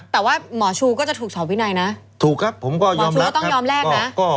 แต่ว่าหมอชูก็จะถูกสอบวินัยนะถูกครับผมก็ยอมชูก็ต้องยอมแลกนะ